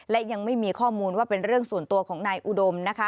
และยังไม่มีข้อมูลว่าเป็นเรื่องส่วนตัวของนายอุดมนะคะ